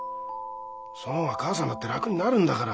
その方が母さんだって楽になるんだから。